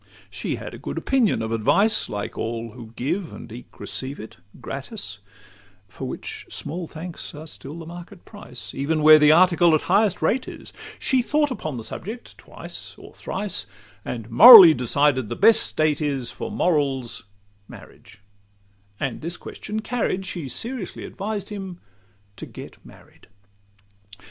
She had a good opinion of advice, Like all who give and eke receive it gratis, For which small thanks are still the market price, Even where the article at highest rate is: She thought upon the subject twice or thrice, And morally decided, the best state is For morals, marriage; and this question carried, She seriously advised him to get married.